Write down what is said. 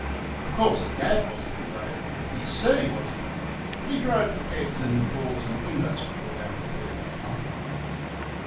Of course, Dad was n't afraid; he SAID he was n't, but he drove the pegs in the doors and windows before going to bed that night.